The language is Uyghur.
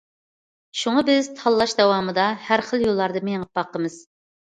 شۇڭا، بىز تاللاش داۋامىدا ھەر خىل يوللاردا مېڭىپ باقىمىز.